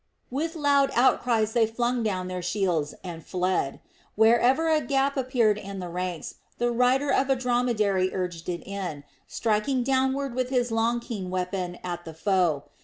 With loud outcries they flung down their shields and fled. Wherever a gap appeared in the ranks the rider of a dromedary urged it in, striking downward with his long keen weapon at the foe.